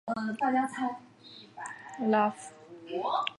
拉弗尔泰维当。